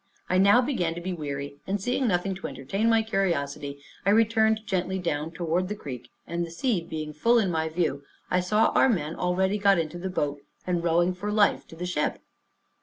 I now began to be weary, and seeing nothing to entertain my curiosity, I returned gently down toward the creek; and the sea being full in my view, I saw our men already got into the boat, and rowing for life to the ship.